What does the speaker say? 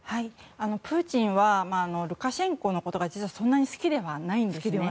プーチンはルカシェンコのことがそんなに好きではないんですね。